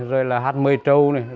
rồi là hát mơi trâu này